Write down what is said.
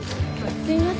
すいません